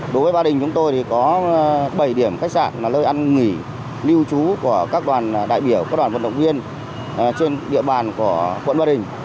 đối với ba đình chúng tôi thì có bảy điểm khách sạn là nơi ăn nghỉ lưu trú của các đoàn đại biểu các đoàn vận động viên trên địa bàn của quận ba đình